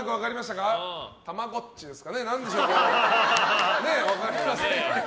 たまごっちですかね？